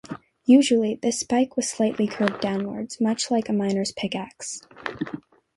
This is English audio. Usually, this spike was slightly curved downwards, much like a miner's pickaxe.